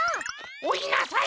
おいなさい！